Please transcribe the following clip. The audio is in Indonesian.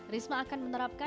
risma akan menerapkan